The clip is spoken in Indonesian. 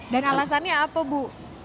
dan alasannya apa bu